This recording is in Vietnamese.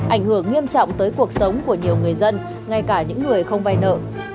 ảnh hưởng nghiêm trọng tới cuộc sống của nhiều người dân ngay cả những người không vay nợ